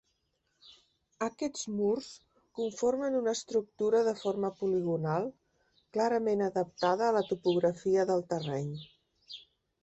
Aquests murs conformen una estructura de forma poligonal, clarament adaptada a la topografia del terreny.